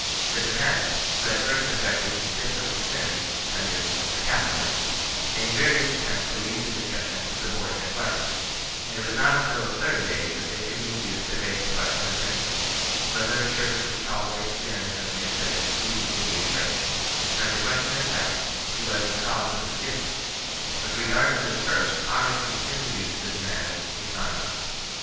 The Donatists, who at first objected to sit with the sinners, that is, with the Catholics, made various attempts to lead the discussion to subordinate questions, and it was not until the third day that they could be induced to face the question of principle, whether a Church which tole rates sinners in the midst of it ceases to be a Church; and the question of fact, who was the cause of the schism. With regard to the first, Augustin soon reduced the Donatists to silence.